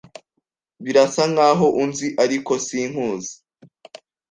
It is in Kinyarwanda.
Birasa nkaho unzi, ariko sinkuzi.